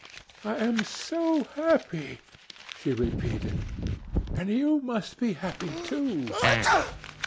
"I am so happy!" she repeated, "and you must be happy, too!"